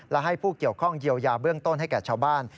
และให้ผู้เกี่ยวข้องเยียวยาเบื้องต้นให้แก่ชาวบ้าน